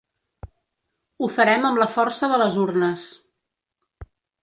Ho farem amb la força de les urnes.